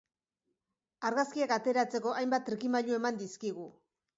Argazkiak ateratzeko hainbat trikimailu eman dizkigu.